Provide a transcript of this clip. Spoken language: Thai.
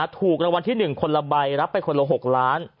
ถูกรางวัลที่๑คนละใบรับไปคนละ๖ล้าน